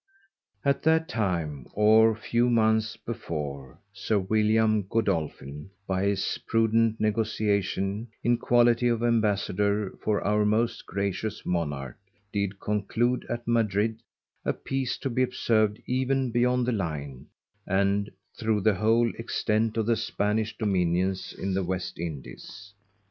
At that time, or few months before, Sir William Godolphin by his prudent negotiation in quality of Embassadour for our most Gracious Monarch, did conclude at Madrid a peace to be observed even beyond the Line, and through the whole extent of the Spanish Dominions in the West Indies.